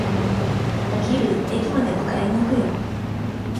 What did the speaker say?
お昼、駅まで迎えに行くよ。